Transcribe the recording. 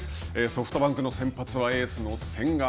ソフトバンクの先発はエースの千賀。